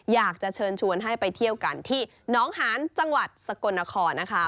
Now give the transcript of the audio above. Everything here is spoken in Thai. อยากจะเชิญชวนให้ไปเที่ยวกันที่น้องหานจังหวัดสกลนครนะคะ